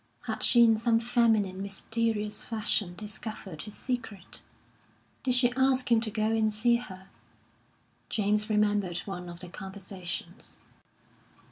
Had she in some feminine, mysterious fashion discovered his secret? Did she ask him to go and see her? James remembered one of their conversations.